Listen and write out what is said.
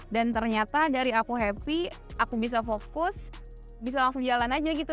dan ternyata dari aku happy aku bisa fokus bisa langsung jalan aja gitu